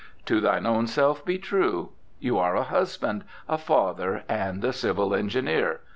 To thine own self be true. You are a husband, a father, and a civil engineer.